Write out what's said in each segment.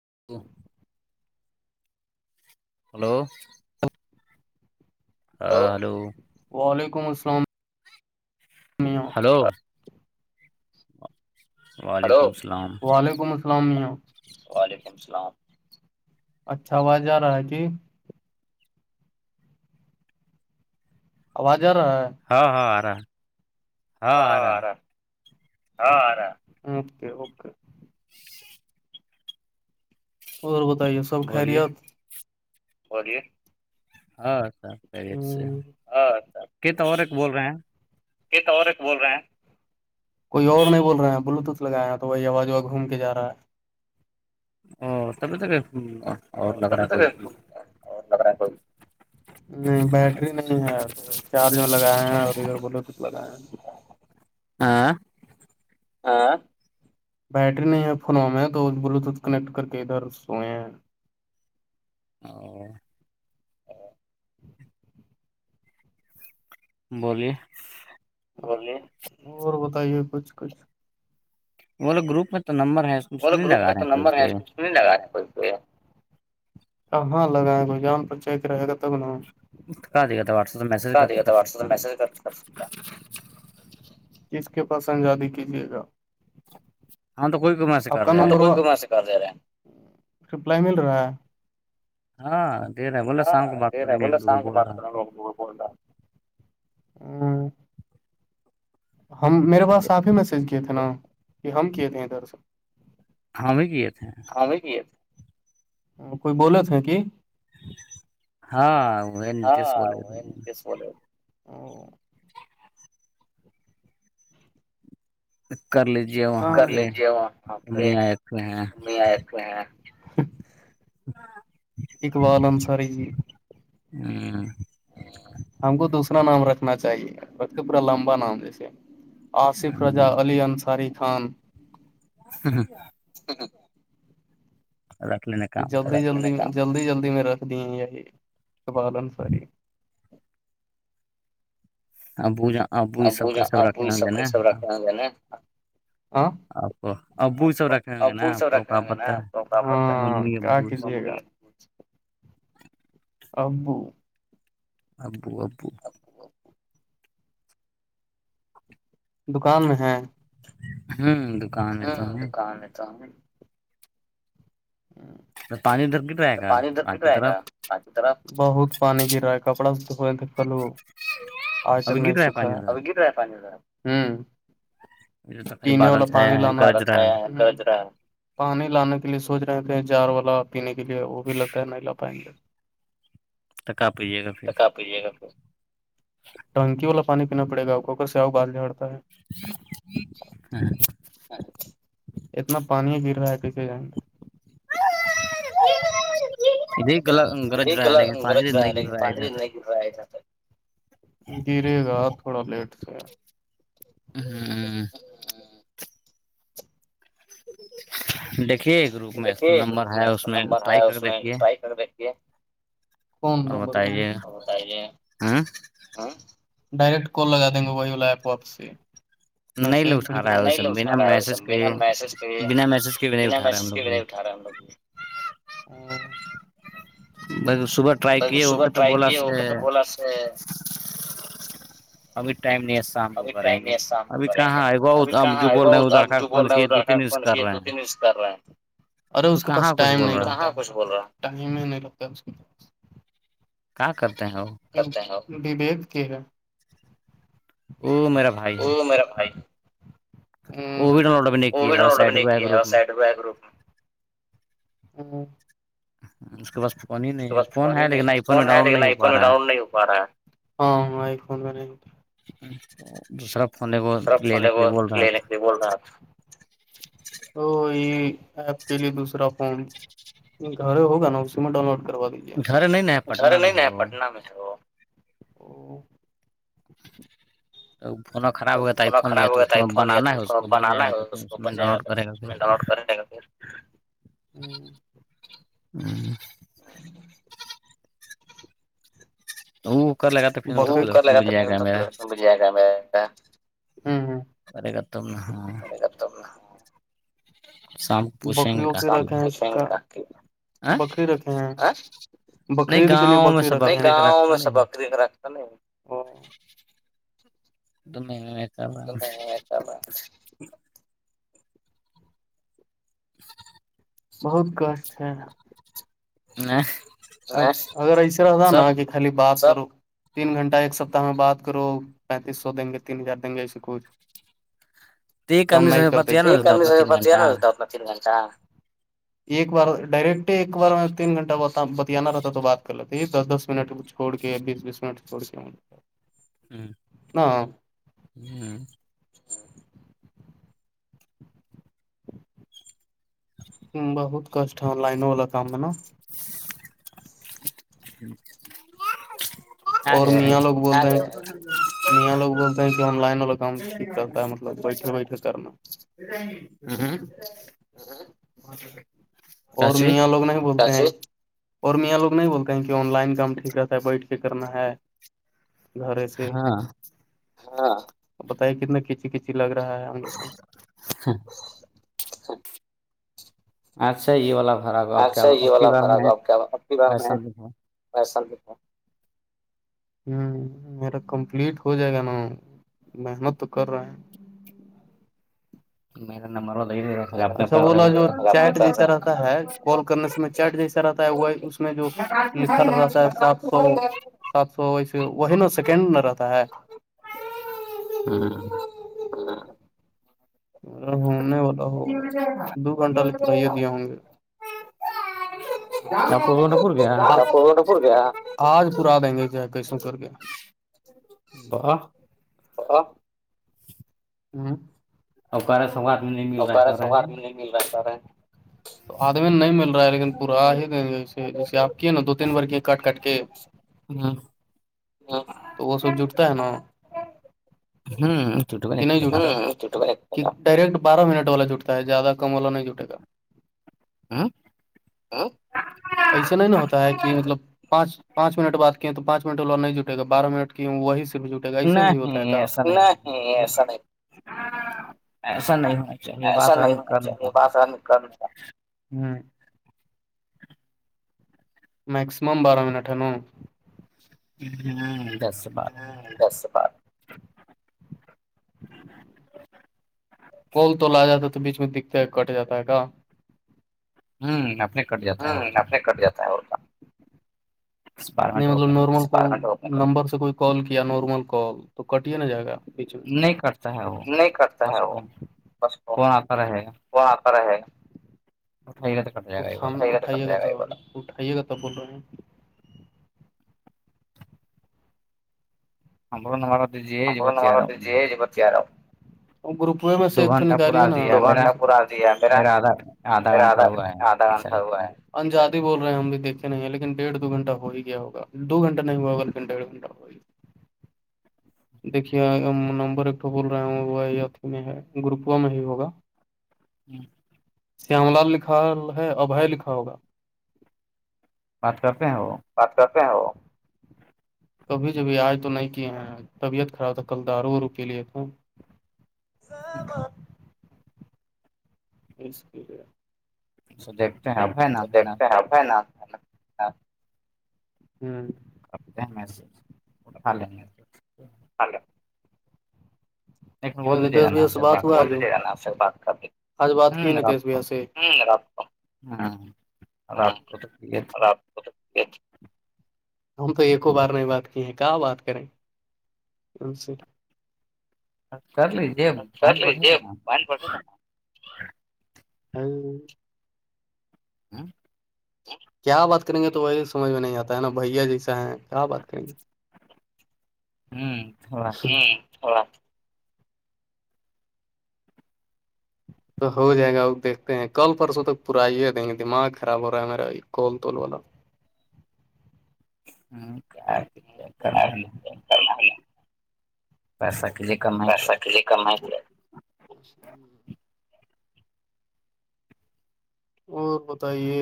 [inaudible] hello ہاں hello وعلیکم السلام ہلو ہلو وعلیکم السلام اسلام وعلیکم السلام اچھا آواز آ رہا کی آواز آ رہا ہے ہاں ہاں آرہا ہاں ہاں آ رہا ہاں آ رہا اوکے اوکے اور بتائیے سب خیریت بے ہاں سب خیریت ہےکی تو اور ایک بول رہے ہیں یہ تواور بول رہے ہیں کوئی اور نہیں بول رہے ہیں بلوٹوتھ لگائے ہیں تو وہی آواز واز گھوم کے جا رہا ہے ا ورتب تبھی [unintelligible] نہیں بیٹری نہیں ہے چارج میں لگائے ہیں اور ادھر بولے کچھ لگائے ہاں ہاں بیٹری نہیں ہے فنوں میں تو بلوٹوتھ کنیکٹ کر کے ادھر سوئے ہیں اور بولیے بولے اور بتائیے کچھ کچھ وہ لے گروپ میں تو نمبر ہے وہ والا گروپ میں تو نبر ہے اس [inaudible] نہیںہ لگا ہےکوئی کو کہاں لگاے کوئ جان پہچان رہے گا تب نہ [inaudible] کہ دیا واٹسپ میں میسج کرتے تب نہ [inaudible] کس کے پاس آزادی کیجیے گا [inaudible] ہاں تو گمان [inaudible] آپ کم دے رہے ہیں رپلائی مل رہا ہے [inaudible] ہاں ہاں دے رہا بولا شام کو بات کروںگا وہ بولتا ہوں [inaudible] ہم میرے پاس آپ ہی میسج کیے تھے نا کہ ہم کیے تھے ا دھر ہم بھی کیے تھے ہم ہی کے تھےکوئی بولے تھے ہیں کہ ہاں وہس بولے کر لیجے وہاں پہ ہم ہی آئے تھے ابال انصاری جی ہ [inaudible] ہم کو دوسرا نام رکھنا چاہیے رکھ پورا لمبا نام جیسے آصف رضا علی انصاری خان ہ ہ [inaudible] ہ ہ [inaudible] رکھ ل ن [inaudible] جلدی جلدی جلدی جلدی میں رکھ دی ہ یہ کبال انصاری آ بوجا ابو ابو سب سب رکھ گ ن [inaudible] پ س رک نا [inaudible] ابو ابو ابو دکان میں ہے ہاں ہوں دکان ہے تو ہم پانی ادھر گٹ رہے گا پچ کی طرف [inaudible] ا طرف بہت پانی گ رہا ہے کپڑا س دو تو کلو [inaudible] آجک نہیں سکھا اب گت رہ ہے پانی ب ہ [unintelligible] پینے والا پانی لم رہا رہھا دج رہا ہے پانی لانے کے لیے سوچ رہے تھے جار والا پینے کے لیے وہ بھی لگتا ہے نہیں لا پائیں گے تک آ پائیے گا پھر [inaudible] [inaudible] ی گا ٹنکی والا پانی پینا پڑے گا آ کو اک سیاؤ بال جھڑ تو [inaudible] اتنا پانی ہی گر رہا ہے دھے جائیں گے [inaudible] ای گلا [inaudible] یہ گلا گ چ رہا لے پان دن نہیں [inaudible] گرے گا تھوڑا لیٹ سے [inaudible] ہوں [inaudible] ج [inaudible] دیکھیے گروپ میں اس نمبر ہے اس میں ٹرائی کر بیتی ہے کون نمبر بولیے تمہیں بتائیے ہاں ڈائریکٹ کال لگا دیں گے وہی وال ایپ واپ سے [inaudible] مج تھوڑ نہیں ل س رہا ہے سب میسج کرے [inaudible] بنا میسز کی وجہ اٹھا رہے ہیں ہم لوگ بھی [inaudible] ب صبح رائی کیے وہ کہ تو بولاس [inaudible] [inaudible] ابھی ٹائم نہیں ہے شام کو کریں گے ابھی کہاں آئے گا اب جو بول رہے ہیں ادھر کا فون کیا دو تین کر رہے ارے اس کے پاس ٹائم نہیں رہتا کچھ بول رہا ٹائم ہی نہیں لگتا اس کیا کرتے ہیں وہ بید کی ہے میرا بھائی وہ بھی ڈ لوڈا کیا ہے سائڈ ہے گروپ میں گروپ ہاں اس کے پاس فون ہی نہیں ہے فون ہے لیکن آئی فون میں ڈاؤن لوڈ نہیں ہو پا رہا ہے ہاں آئی فون میں دوسرا سربنے کو لینے کے لیے بول رہے ہیں آپ تو یہ ایپ کے لیے دوسرا فون گھر ہوگا نا اسی میں ڈاؤن لوڈ کروا دیجیے گھرے نہیں پٹن میں [inaudible] فون خراب ہو گیا تو آئی فون لیا تو بنانا ہے اس کو بن جائے گاھر اس ڈاؤن لوڈ کرے گا پھر ہوں [inaudible] وہ کر لگا تو پھر لڑکن مل جائے گا میرا ہوں ہوں پرے کرتاوں ہاں تنا بکریوں کو رکھے ہیں بکری رکھے ہیں بقرریید کے لیے بکریید رکھ گاؤں میں سے بکریید رکھتا نہیں تو [inaudible] نہیں میں بہت کاشٹ ہے [inaudible] اگر ایسے رہتا نا کہ خالی بات اور تین گھنٹہ ایک سپتہ میں بات کرو پینتیس سو دیں گے تین ہزار دیں گے اسسی کوچھ کم نہیں کرتے یک ہے نا ایک بار ڈائریکٹ ایک بار میں تین گھنٹہ بتا رہتا تو بات کر لیتے یہ دس دس منٹ چھوڑ کے بیس بیس منٹ چھوڑ کے ہوں ہاں بہت کشٹ ہے لائن والا کام میں نا [inaudible] اور میا لوگ بولتے ہیں تو یہاں لوگ بولتے ہیں کہ ہم لائنوں وال کام ٹھیک رہتا ہے مطلب بیٹھے و بیٹھے کرنا ہوں اور میاں لوگ نہیں بولتے اور میاں لوگ نہیں بولتے ہیں کہ آن لائن کام ٹھیک رہتا ہے بیٹھ کے کرنا ہے گھرے سے بتے کتنا کچ کسی لگ رہا ہے ہم لوگ کو اچھا یہ والا خراب اچھا یہ والا خھرا آپ کے کی بار میں ایسا نہیں تھا ہوں میرا کمپلیٹ ہو جائے گا نا محنت تو کر رہا ہے اچھا بلا جو چیٹ جیسا رہتا ہے کال کرنے چیٹ جیسا رہتا ہے وہ اس میں جو لکھا رہاتا ہے سپ تو سات سو ویسے وہی نا سیکنڈ نہ رہتا ہے ہاں ہ ا ہونے والا ہوگا دو گھنٹہ ل چاہے دیا ہوں گے آ پ گیا آج پا دیں گے کیا کسن کر گیا باہ آ ہ ا کارے سوار بھی نہیں مل رہا ہے کارے تو آدمی نہیں مل رہا ہے لیکن پورا ہی جیسے آپ کی نا دو تین بار کی کٹ کٹ کے ہاں ہاں تو وہ سب جٹتا ہے نا ہوں اٹو کہ نہیں جٹتا ڈائریکٹ بارہ منٹ والا جٹتا ہے ج زیادہ کم والا نہیں جٹے گا ہاں ایسا نہیں نا ہوتا ہے کہ مطلب پانچ پانچ منٹ بات کی تو پانچ منٹ والا نہیں جٹےا بارہ منٹ کی وہی سے بھی جٹ گ سے بھی ہوتا ہے کیا نہیں ایسا نہیں ایسا نہیں ہونا چاہیے با نک میکسمم بارہ منٹ ن ہوں دس بارہ ہ ب بار کول تو لا جاتا ہے تو بیچ میں دکھتے کٹ جاتا ہے کیا ہوں اپنے ہوں اپنے کٹ جاتا ہے اور نہیں مطلب نارملنے نمبر سے کوئی کال کیا نارمل کال تو کٹے نہ جائے گا ج نہیں کرتا ہے وہ بس کو وہاں کررا ہے اٹھام اٹھائیے اٹھائیے گ تھاب بول رہو ہمر ن مارا دیجیے ہمب ن ب جی جی ب تیارا گپ ک میں س ایک تو نکال نا دو گھنٹہ پورا دیا میرا میرادا آدھا گھنٹہ ہوا ہے انجادی بول رہے ہیں ہم بھی دیکھتے نہیں ہیں لیکن ڈیڑ دو گھنٹا ہی کیا ہوگا دو گھنٹہ نہیں ہواگا لیکن ڈیھ گھنٹہ ہو گی دیکھیے نمبر ایک تو بول رہے ہ وہ اھی میں ہے گروپوا میں ہی ہوگا ہوں شیام لال لکھا ہے ابھے لکھا ہوگا بات کرتے ہیں وہ بات کرتے ہیں وہ کبھی جبھی آئے تو نہیں کیے ہیں طبیعت خراب تھا کل داروں رکی لیے تھا اسکریے سل تو دیکھتے ہیں بھائی نام رفتے میں ای سے اٹھا لیں گے ہ تو نیتیش بھیا سے بات ہوا سےات آج بات کی ہے نیتیش بھیا سے کو ہاں ہاںداب [inaudible] ہم تو ایکو بار نہیں بات کی ہے کہ بات کریں ان سے سلی پڑس تھا ہاں ہاں کیا بات کریں گے تو وی سمجھ میں نہیں آتا ہے نا بھیا جیسا ہیں کیا بات کریں گے ہاں ہو تو ہو جائے گا وہ دیکھتے ہیں کل پرسوں تک پوراائییا دیں گے دماغ خراب ہو رہا ہے میرا یہ کال توول والا ہاں کیا کرنا ہے پیسا کے لیک سا ک جے کمیتی ہے اور بتائیے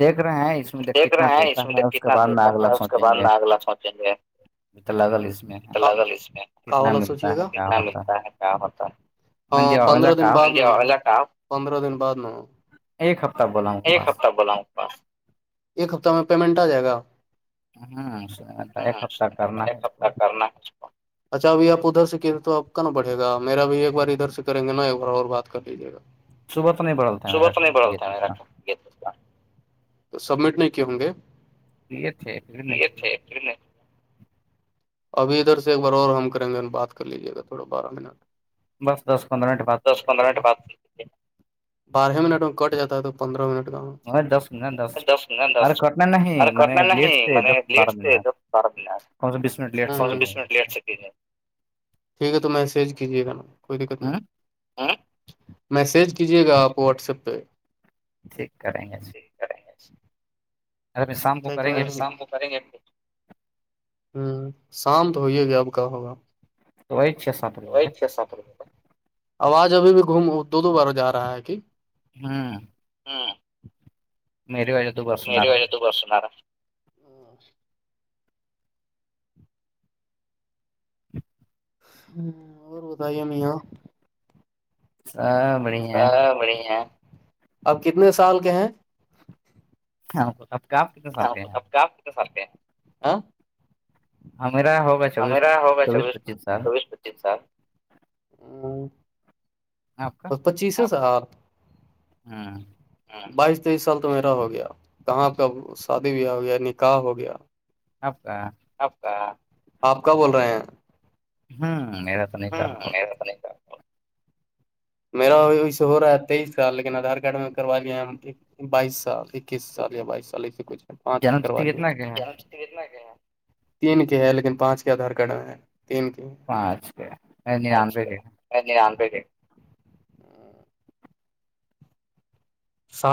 دیکھ رہے ہیں اس میں د کتنا دیتا ہے اس کے بعد میں اگلا سوچیں گے مت لگا سوچیے گا کتنا ملتا ہے کیا ہوتا ہے ہاں پندرہ دن بعد آپ پندرہ دن بعد میں ایک ہفتہ بلاؤں ایک ہفتہ میں پیمنٹ آ جائے گا ہاں ایک ہفتہ کرنا ہے اس کو کرنا اچھا اب آپ ادھر سے کیے تو آ کا نا بڑے گا میرا بھی ایک بار ادھر سے کریں گے نا ایک بار اور بات کر لیجیے صب تو نہیں بڑلتا ہے میراٹ کا تو سبمٹ نہیں کی ہوں گے اچھا ابھی ادھر سے ایک بار اور ہم کریں گے بات کر لیجیے گا تھوڑا بارہ منٹ بس دس پندرہ منٹ بعد چل کیجیے گا بارہیں منٹ میں کٹ جات ہے تو پندر ارے کرنا نہیں سے پرردار کوچ بیس من لی ٹھیک ہے تو میسیج کیجیے گا نا کوئی دقت نہیں میسج کیجیے گا آپ واٹسپ پہ ٹھیک کریں گے کویں گے ہاں شام تو ہوئی گیا اب کا ہوگا وہی سات روپےئے آواز ابھی بھی گھوم دو دو بار جا رہا ہے کہ ہاں ہاں میری وجہ میر یہل دوکوستناارا ہاں اور بتائیے میا ہاں بڑی ہیں اب کتنے سال کے ہیں ہاں ہاں آپ کا آپ سارکے ہمیرا ہوگا ا میرا ہوگا چبیس چوبیس پچیس سال ہپ پچیس ہاں ہاں بائیس تیئیس سال تو میرا ہو گیا کہاں کاہ شادی بیاہ ہو گیا نکاح ہو گیا آپا آپ کا آپ کا بول رہے ہیں ہوں ہاں میرا ابھیی سے ہو رہا ہے تیئیس سال لیکن آدھار کارڈ میں کروایاے ہیں ہم بائیس سال اکیس سال یا بائیس سال ایے کچھ ہے پانچ کروا کت کے تین کے ہے لیکن پانچ کے آدھار کارڈ میں ہیں تین کے ہیں پانچ کے اچھا نہیں آپ سات